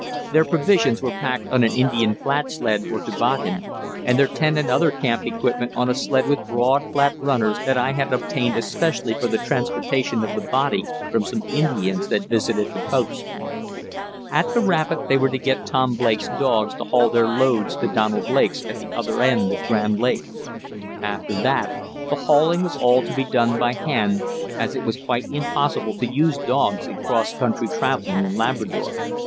Their provisions were packed on an Indian flat sled or toboggan, and their tent and other camp equipment on a sled with broad flat runners that I had obtained especially for the transportation of the body from some Indians that visited the post. At the rapid they were to get Tom Blake's dogs to haul their loads to Donald Blake's at the other end of Grand Lake. After that, the hauling was all to be done by hand, as it is quite impossible to use dogs in cross country travelling in Labrador.